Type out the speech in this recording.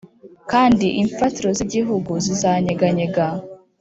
kandi imfatiro z’igihugu zizanyeganyega